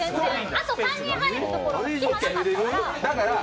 あと３人入るところ、隙間なかったから。